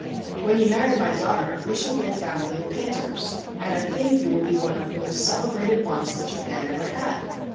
* When you marry my daughter, we shall be a family of painters, and I think you will be one of the most celebrated ones that Japan ever had.'